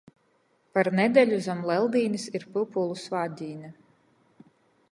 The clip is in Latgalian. Par nedeļu zam Leldīnis ir Pyupūlu svātdīne.